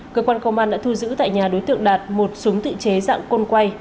cơ quan công an đã thu giữ tại nhà đối tượng đạt một súng tự chế dạng côn quay